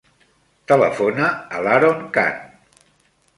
Telefona a l'Haron Khan.